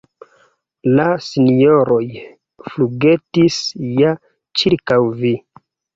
La sinjoroj flugetis ja ĉirkaŭ vi.